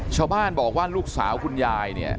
ชาวบ้านบอกว่าลูกสาวคุณยายเนี่ย